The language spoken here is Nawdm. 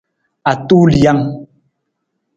Atulijang.